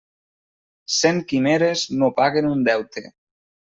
Cent quimeres no paguen un deute.